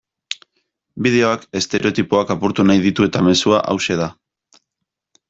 Bideoak estereotipoak apurtu nahi ditu eta mezua hauxe da.